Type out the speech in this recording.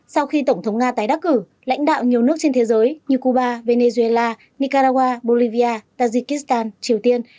sau khi tổng thống nga tái đắc cử lãnh đạo nhiều nước trên thế giới như cuba venezuela nicaragua bolivia tajikistan triều tiên